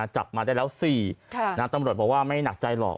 จับมาได้แล้ว๔ตำรวจบอกว่าไม่หนักใจหรอก